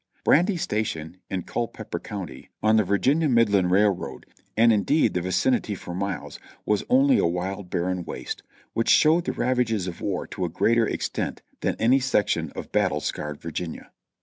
Brandy Station, in Culpeper County, on the Virginia Mid land Railroad, and indeed the vicinity for miles, was only a wild, barren waste, which showed the ravages of war to a greater ex tent than any section of battle scarred Virginia.